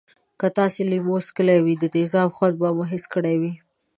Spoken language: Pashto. که تاسې لیمو څکلی وي د تیزابو خوند به مو حس کړی وی.